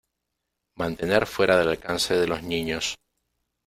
Mantener fuera del alcance de los niños.